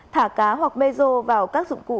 thả cá hoặc mezo vào các dụng cụ